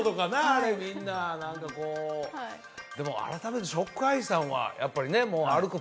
あれみんな何かこうでも改めてＳＨＯＣＫＥＹＥさんはやっぱりね歩く